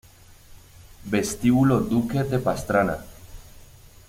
Vestíbulo Duque de Pastrana